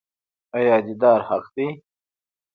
آیا دیدار حق دی؟